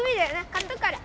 買っとくから。